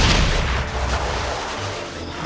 dengan mata kepala aku sendiri